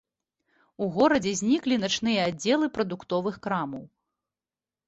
У горадзе зніклі начныя аддзелы прадуктовых крамаў.